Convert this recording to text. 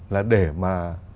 là để mà